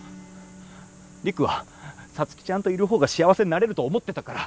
陸は皐月ちゃんといる方が幸せになれると思ってたから。